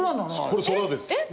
これ空です。